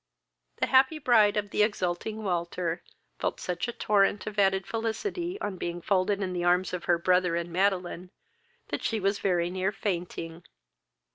The happy bride of the exulting Walter felt such a torrent of added felicity, on being folded in the arms of her brother and Madeline, that she was very near fainting.